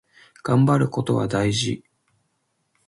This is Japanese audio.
がんばることは大事。